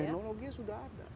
teknologi sudah ada